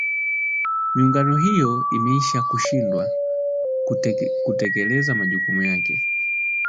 Miungano hiyo imeishia kushindwa kutekeleza majukumu yake